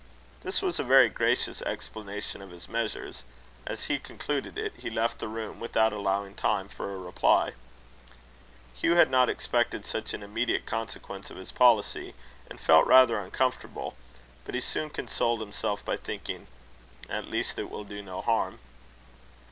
This was a very gracious explanation of his measures. As he concluded it, he left the room, without allowing time for a reply. Hugh had not expected such an immediate consequence of his policy, and felt rather uncomfortable; but he soon consoled himself by thinking, "At least it will do no harm."